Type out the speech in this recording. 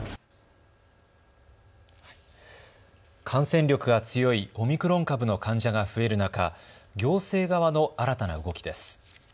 感染力が強いオミクロン株の患者が増える中、行政側の新たな動きです。